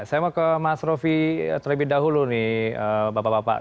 saya mau ke mas rofi terlebih dahulu nih bapak bapak